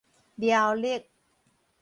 苗栗